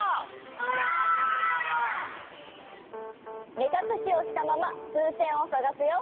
めかくしをしたままふうせんをさがすよ。